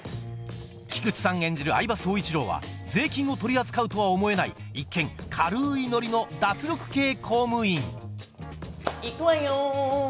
菊池さん演じる饗庭蒼一郎は税金を取り扱うとは思えない一見軽いノリの脱力系公務員行くわよ！